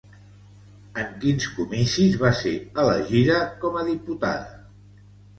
En quins comicis va ser elegida com a diputada?